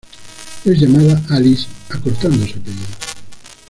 Es llamada "Alice" acortando su apellido.